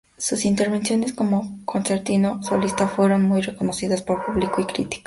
Sus intervenciones como concertino solista fueron muy reconocidas por público y crítica.